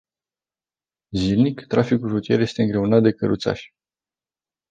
Zilnic, traficul rutier este îngreunat de căruțași.